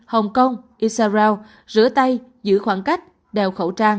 hồng kông isarau rửa tay giữ khoảng cách đeo khẩu trang